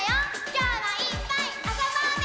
きょうはいっぱいあそぼうね！